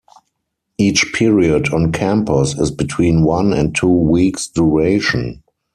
Each period on campus is between one and two weeks' duration.